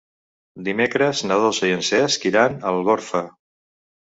Dimecres na Dolça i en Cesc iran a Algorfa.